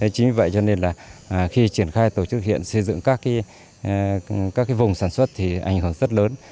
chính vì vậy cho nên là khi triển khai tổ chức hiện xây dựng các vùng sản xuất thì ảnh hưởng rất lớn